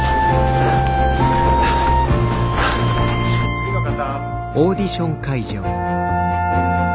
・次の方。